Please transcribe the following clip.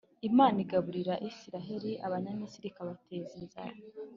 Imana igaburira Israheli, Abanyamisiri ikabateza inzara